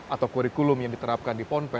atau kurikulum yang diterapkan di ponpes